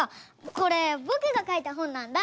これぼくがかいた本なんだ！